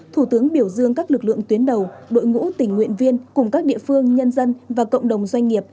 thủ tướng biểu dương các lực lượng tuyến đầu đội ngũ tình nguyện viên cùng các địa phương nhân dân và cộng đồng doanh nghiệp